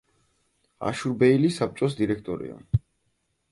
აშურბეილი საბჭოს დირექტორია.